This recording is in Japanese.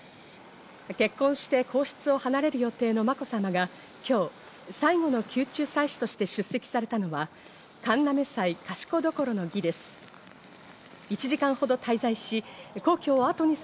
結婚して皇室を離れる予定のまこさまが今日、最後の宮中祭祀として出席されたのは、神嘗祭賢所の儀です。